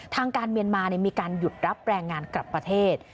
ทางการเมียนมามีการหยุดรับแรงงานกลับประเทศ